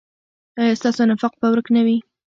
ایا ستاسو نفاق به ورک نه وي؟